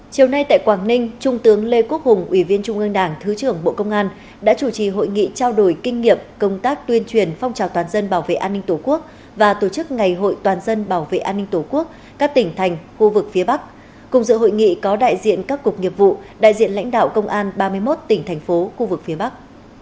chiều nay tại quảng ninh trung tướng lê quốc hùng ủy viên trung ương đảng thứ trưởng bộ công an đã chủ trì hội nghị trao đổi kinh nghiệm công tác tuyên truyền phong trào toàn dân bảo vệ an ninh tổ quốc và tổ chức ngày hội toàn dân bảo vệ an ninh tổ quốc các tỉnh thành khu vực phía bắc cùng dự hội nghị có đại diện các cục nghiệp vụ đại diện lãnh đạo công an ba mươi một tỉnh thành phố khu vực phía bắc